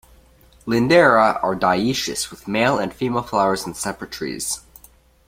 "Lindera" are dioecious, with male and female flowers on separate trees.